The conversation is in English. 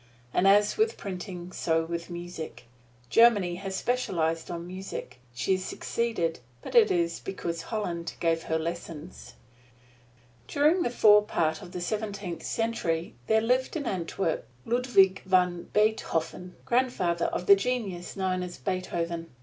And as with printing, so with music. Germany has specialized on music. She has succeeded, but it is because Holland gave her lessons. During the fore part of the Seventeenth Century, there lived in Antwerp, Ludvig van Biethofen, grandfather of the genius known as Beethoven.